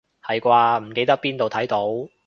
係啩，唔記得邊度睇到